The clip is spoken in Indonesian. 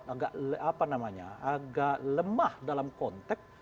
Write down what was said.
agak lemah dalam konteks